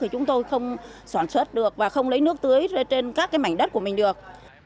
thì chúng tôi không soạn xuất được và không lấy nước tưới trên các cái mảnh đất của mình được